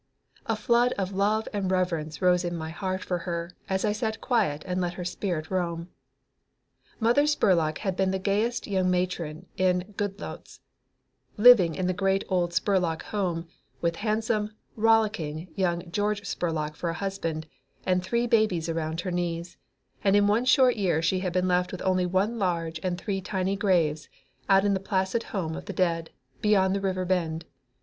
A flood of love and reverence rose in my heart for her as I sat quiet and let her spirit roam. Mother Spurlock had been the gayest young matron in Goodloets, living in the great old Spurlock home with handsome, rollicking young George Spurlock for a husband, and three babies around her knees, and in one short year she had been left with only one large and three tiny graves out in the placid home of the dead, beyond the river bend.